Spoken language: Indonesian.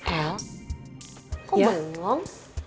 el kok bangun